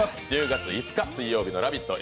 １０月５日水曜日の「ラヴィット！」